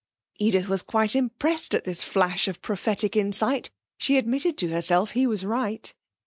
Edith was quite impressed at this flash of prophetic insight. She admitted to herself he was right.